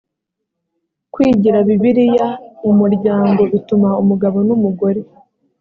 kwigira bibiliya mu muryango bituma umugabo n umugore